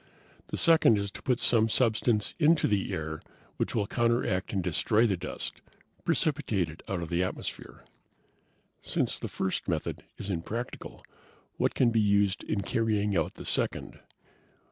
The second is to put some substance into the air which will counteract and destroy the dust, precipitate it out of the atmosphere." "Since the first method is impractical what can be used in carrying out the second?"